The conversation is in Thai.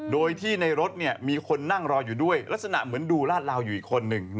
โดยที่ในรถมีคนนั่งรออยู่ด้วยลักษณะเหมือนดูลาดลาวอยู่อีกคนนึง